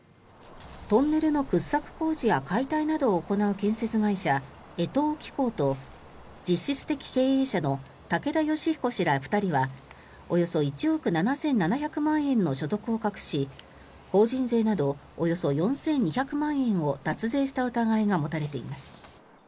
トンネルの掘削工事や解体などを行う建設会社江藤機工と実質的経営者の竹田芳彦氏ら２人はおよそ１億７７００万円の所得を隠し法人税などおよそ４２００万円を脱税した疑いが持たれています。